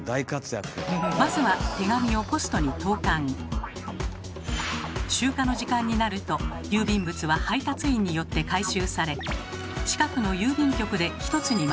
まずは集荷の時間になると郵便物は配達員によって回収され近くの郵便局で一つにまとめられます。